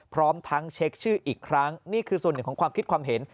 พร้อมทั้งเช็คชื่ออีกครั้งนี่คือส่วนหนึ่งของความคิดความเห็น